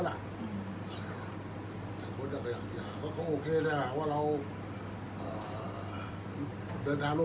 อันไหนที่มันไม่จริงแล้วอาจารย์อยากพูด